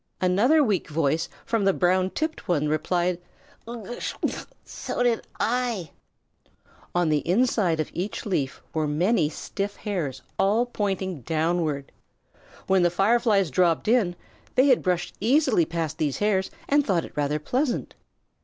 Another weak voice from the brown tipped one replied, "Gtschagust! So did I." On the inside of each leaf were many stiff hairs, all pointing downward. When the Fireflies dropped in, they had brushed easily past these hairs and thought it rather pleasant.